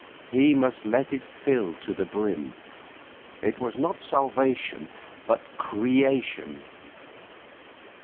He must let it fill to the brim. It was not salvation, but creation.